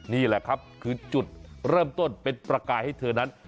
นี่แหละครับคือจุดเริ่มต้นเป็นประกายให้เธอนั้น